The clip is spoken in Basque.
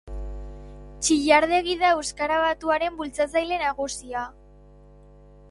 Txillardegi da euskara batuaren bultzatzaile nagusia.